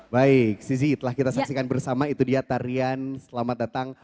baik sisi telah kita saksikan bersama itu dia tarian selamat datang